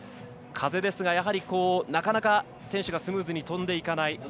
風は、なかなか選手がスムーズに飛んでいかない。